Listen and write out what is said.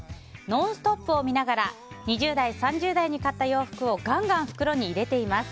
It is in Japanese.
「ノンストップ！」を見ながら２０代、３０代に買った洋服をガンガン袋に入れています。